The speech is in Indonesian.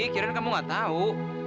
kirain kamu nggak tahu